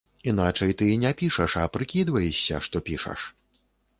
Іначай ты не пішаш, а прыкідваешся, што пішаш.